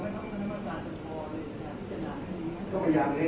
แต่ว่าไม่มีปรากฏว่าถ้าเกิดคนให้ยาที่๓๑